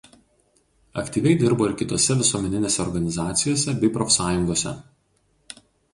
Aktyviai dirbo ir kitose visuomeninėse organizacijose bei profsąjungose.